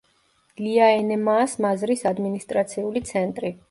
ლიაენემაას მაზრის ადმინისტრაციული ცენტრი.